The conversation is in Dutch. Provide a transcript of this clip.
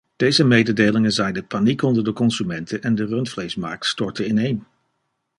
Deze mededelingen zaaiden paniek onder de consumenten en de rundvleesmarkt stortte ineen.